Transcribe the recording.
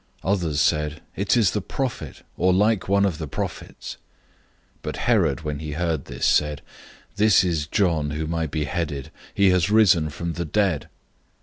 Others said, "It is the Prophet, or like one of the prophets." 006:016 But Herod, when he heard this, said, "This is John, whom I beheaded. He has risen from the dead."